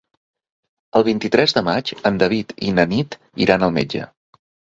El vint-i-tres de maig en David i na Nit iran al metge.